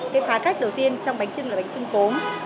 cái phá cách đầu tiên trong bánh trưng là bánh trưng cốm